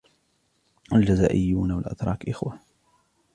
الجزائريون والأتراك إخوة.